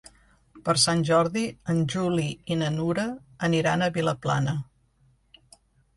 Per Sant Jordi en Juli i na Nura aniran a Vilaplana.